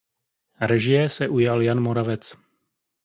Režie se ujal Jan Moravec.